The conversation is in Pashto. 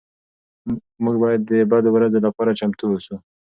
موږ باید د بدو ورځو لپاره چمتو اوسو.